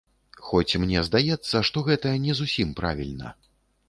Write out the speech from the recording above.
Хоць мне здаецца, што гэта не зусім правільна.